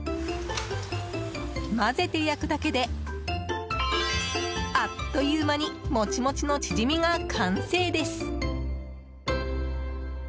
混ぜて焼くだけであっという間にモチモチのチヂミが完成です。